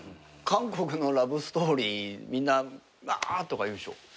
韓国のラブストーリーみんなわとか言うでしょ。